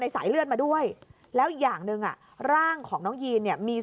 สายเลือดมาด้วยแล้วอย่างหนึ่งอ่ะร่างของน้องยีนเนี่ยมี